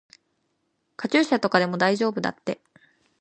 カチューシャとかでも大丈夫だって。